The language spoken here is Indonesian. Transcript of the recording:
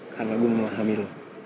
karena gua mau hamil lu